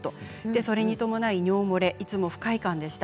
それに伴い尿漏れ、いつも不快感でした。